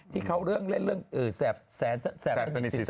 ที่เขาเล่นเรื่องแสดงแสดงศิษย์แสดงหน้า